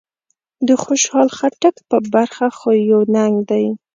د خوشحال خټک په برخه خو يو ننګ دی.